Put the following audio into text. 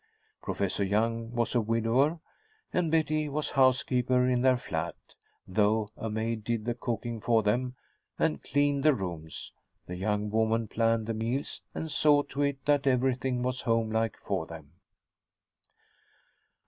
Professor Young was a widower, and Betty was housekeeper in their flat; though a maid did the cooking for them and cleaned the rooms, the young woman planned the meals and saw to it that everything was homelike for them.